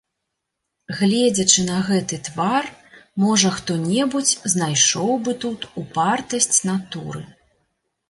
Гледзячы на гэты твар, можа хто-небудзь знайшоў бы тут упартасць натуры.